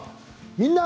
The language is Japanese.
「みんな！